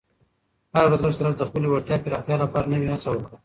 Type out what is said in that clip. هره ورځ لږ تر لږه د خپلې وړتیا پراختیا لپاره نوې هڅه وکړه.